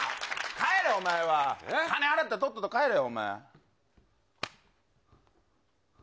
帰れよ、お前は、金払ったら、とっとと帰れよ。